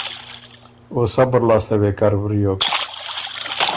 او صبُر لاسته وې کر وریوک۔